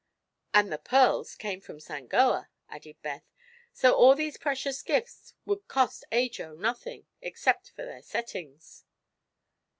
"And the pearls came from Sangoa," added Beth, "so all these precious gifts have cost Ajo nothing, except for their settings."